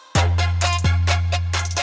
balik ke tempat pertama